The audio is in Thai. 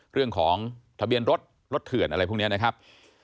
เรื่องของทะเบียนรถรถเถื่อนอะไรพวกนี้นะครับ